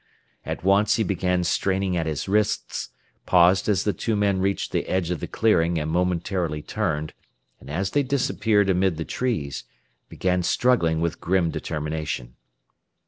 At once he began straining at his wrists, paused as the two men reached the edge of the clearing and momentarily turned, and as they disappeared amid the trees, began struggling with grim determination.